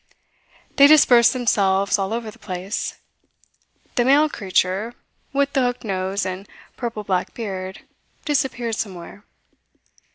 They dispersed themselves all over the place. The male creature with the hooked nose and purple black beard disappeared somewhere.